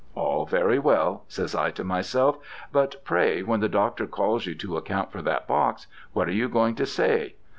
"All very well," says I to myself, "but pray, when the Doctor calls you to account for that box, what are you going to say?"